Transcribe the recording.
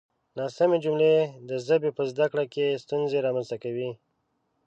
ناسمې جملې د ژبې په زده کړه کې ستونزې رامنځته کوي.